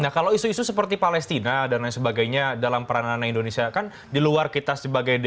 nah kalau isu isu seperti palestina dan lain sebagainya dalam peranan peranan indonesia kan di luar kita sebagai dk pbb pun tidak ada